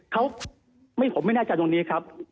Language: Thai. เขาผมไม่แน่ใจตรงนี้ครับ